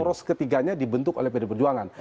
poros ketiganya dibentuk oleh pd perjuangan